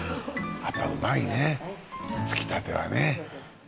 やっぱうまいねつきたてはね。